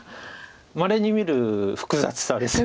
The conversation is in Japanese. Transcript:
まれに見る複雑さですよね